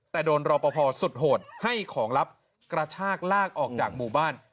แต่โดนรอปภสุดโหดให้ของลับกระชากลากออกจากหมู่บ้าน